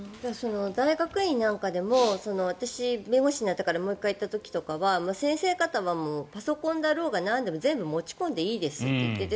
大学院なんかでも私、弁護士になってからもう１回行った時とかは先生方はパソコンだろうがなんだろうが全部持ち込んでいいですと言っていて